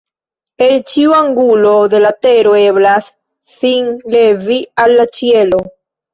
El ĉiu angulo de la tero eblas sin levi al la ĉielo”.